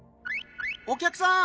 お客さん！